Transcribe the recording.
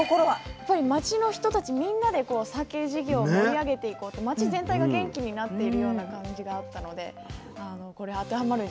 やっぱり町の人たちみんなでさけ事業を盛り上げていこうと町全体が元気になっているような感じがあったのでこれ当てはまるんじゃないかなと思いました。